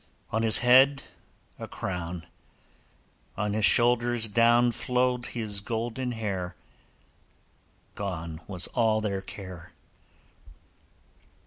On his head a crown, On his shoulders down Flowed his golden hair. Gone was all their care.